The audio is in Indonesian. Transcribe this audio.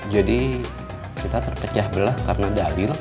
jadi kita terpecah belah karena dalil